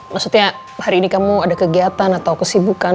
maksudnya hari ini kamu ada kegiatan atau kesibukan